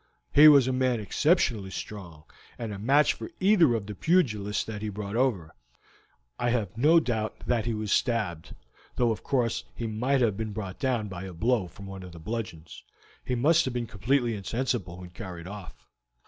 "He was a man exceptionally strong, and a match for either of the pugilists that he brought over. I have no doubt that he was stabbed, though of course he might have been brought down by a blow from one of the bludgeons. He must have been completely insensible when carried off.